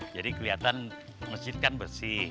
jadi keliatan masjid kan bersih